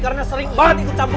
karena sering banget ikut campur